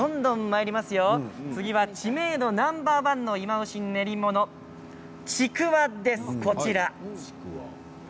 次は知名度ナンバー１の練り物ちくわです。